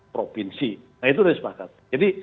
provinsi nah itu dari sepakat jadi